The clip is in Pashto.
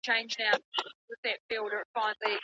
ولي کوښښ کوونکی د مستحق سړي په پرتله ښه ځلېږي؟